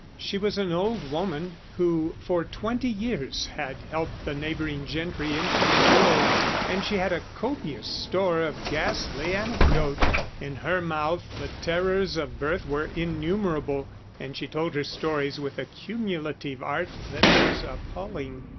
She was an old woman who, for twenty years, had helped the neighbouring gentry into the world; and she had a copious store of ghastly anecdote. In her mouth the terrors of birth were innumerable, and she told her stories with a cumulative art that was appalling.